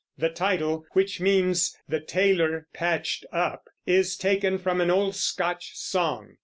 The title, which means "The Tailor Patched up," is taken from an old Scotch song.